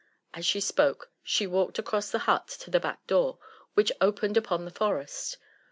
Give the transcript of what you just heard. '' As she spoke, she walked across the hut to the back door, which opened upon the forest.